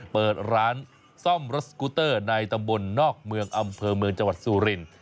เปิดร้านซ่อมรถสกูเตอร์ในตำบลนอกเมืองอำเภอเมืองจังหวัดสุรินทร์